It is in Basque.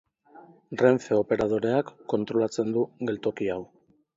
Renfe Operadoreak kontrolatzen du geltoki hau.